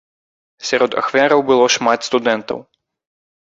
Сярод ахвяраў было шмат студэнтаў.